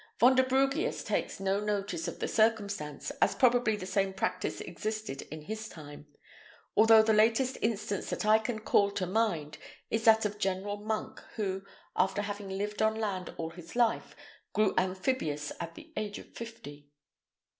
Vonderbrugius takes no notice of the circumstance, as probably the same practice existed in his time, although the latest instance that I can call to mind is that of General Monk, who, after having lived on land all his life, grew amphibious at the age of fifty.